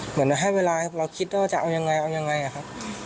เหมือนให้เวลาเราคิดได้ว่าจะเอายังไงเอายังไงอะครับ